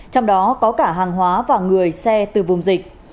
trong đó có cả hàng hóa và người xe từ vùng dịch